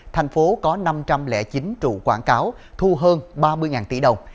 thành phố có năm trăm linh chín trụ quảng cáo thu hơn ba mươi tỷ đồng